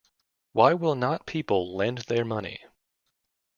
Why will not people lend their money?